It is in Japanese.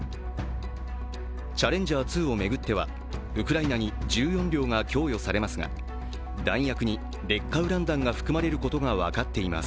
チャレンジャー２を巡ってはウクライナに１４両が供与されますが弾薬に劣化ウラン弾が含まれることが分かっています。